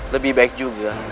lebih baik juga